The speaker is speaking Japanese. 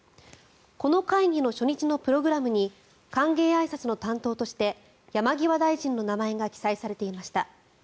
この会議の初日のプログラムに歓迎あいさつの担当として山際大臣の名前が記載されていました。